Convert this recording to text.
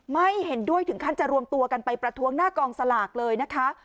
ไม่เห็นด้วยถึงขั้นจะรวมตัวกันไปประท้วงหน้ากองสลากเลยนะคะ